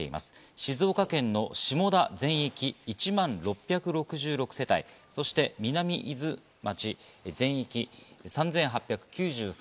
静岡県の下田全域１万６６６世帯、そして南伊豆町全域３８９３